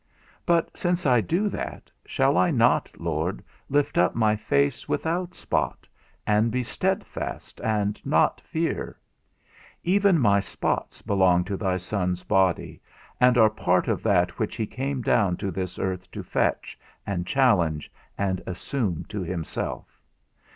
But since I do that, shall I not, Lord, lift up my face without spot, and be steadfast, and not fear? Even my spots belong to thy Son's body, and are part of that which he came down to this earth to fetch, and challenge, and assume to himself.